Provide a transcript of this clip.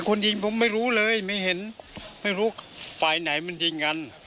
คนยิงผมไม่รู้เลยไม่เห็นไม่รู้ฝ่ายไหนมันยิงกัน